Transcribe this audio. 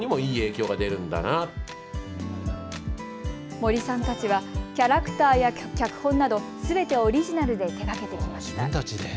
森さんたちはキャラクターや脚本などすべてオリジナルで手がけてきました。